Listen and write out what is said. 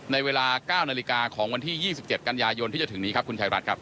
ในเวลา๙นาฬิกาของวันที่๒๗กันยายนที่จะถึงนี้ครับคุณชายรัฐครับ